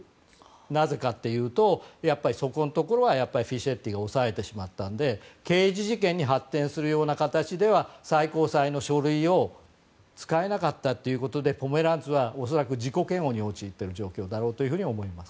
なぜかというとそこのところはフィシェッティが押さえてしまったので刑事事件に発展するような形では最高裁の書類を使えなかったということでポメランツは恐らく、自己嫌悪に陥っている状況だと思います。